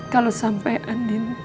kalau sampai andin begitu kecewa